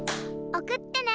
おくってね！